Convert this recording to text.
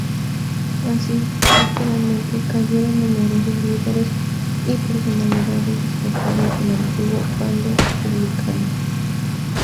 Así, rápidamente cayeron numerosos líderes y personalidades destacadas del antiguo bando republicano.